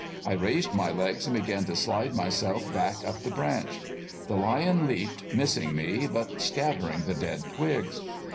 I raised my legs and began to slide myself back up the branch. The lion leaped, missing me, but scattering the dead twigs.